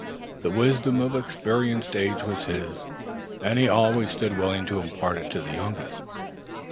The wisdom of experienced age was his, and he always stood willing to impart it to the youngest.